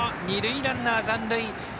二塁ランナー残塁。